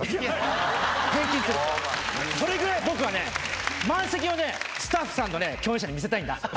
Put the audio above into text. それぐらい僕はね満席をねスタッフさんとね共演者に見せたいんだ。